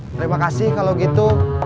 terima kasih kalau gitu